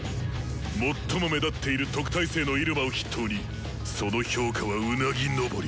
最も目立っている特待生のイルマを筆頭にその評価はうなぎ登り！